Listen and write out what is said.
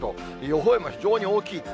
予報円も非常に大きい。